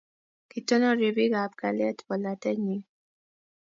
Kitonon ribik ab kalyet polatet nyi.